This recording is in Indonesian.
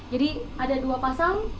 jadi ada dua pasang